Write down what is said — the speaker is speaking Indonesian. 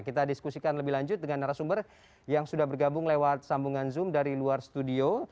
kita diskusikan lebih lanjut dengan narasumber yang sudah bergabung lewat sambungan zoom dari luar studio